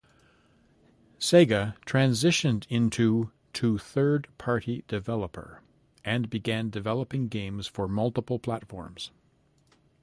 Sega transitioned into to third-party developer and began developing games for multiple platforms.